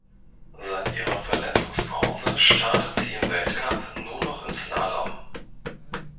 Seit ihrer Verletzungspause startet sie im Weltcup nur noch im Slalom.